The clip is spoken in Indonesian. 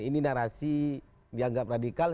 ini narasi dianggap radikal